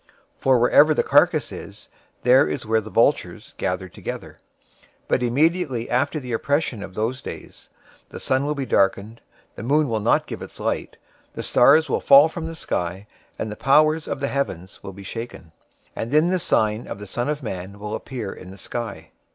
024:028 For wherever the carcass is, there is where the vultures{or, eagles} gather together. 024:029 But immediately after the oppression of those days, the sun will be darkened, the moon will not give its light, the stars will fall from the sky, and the powers of the heavens will be shaken;{Isaiah 13:10; 34:4} 024:030 and then the sign of the Son of Man will appear in the sky.